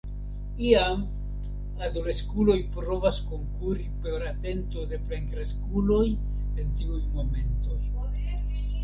Iam adoleskuloj provas konkuri por atento de plenkreskuloj en tiuj momentoj.